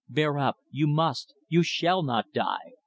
"Bear up. You must you shall not die."